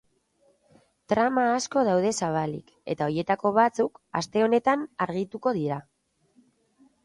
Trama asko daude zabalik eta horietako batzuk aste honetan argituko dira.